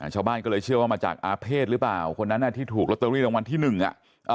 ชาวบ้านก็เลยเชื่อว่ามาจากอาเภษหรือเปล่าคนนั้นที่ถูกลอตเตอรี่รางวัลที่หนึ่งอ่ะ